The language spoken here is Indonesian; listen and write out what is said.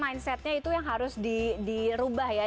mindsetnya itu yang harus dirubah ya